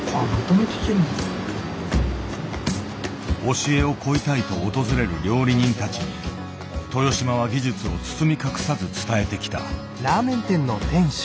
教えを請いたいと訪れる料理人たちに豊島は技術を包み隠さず伝えてきた。